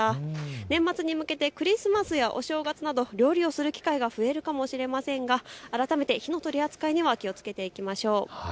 年末に向けてクリスマスやお正月など料理をする機会が増えるかもしれませんが火の取り扱いには気をつけていきましょう。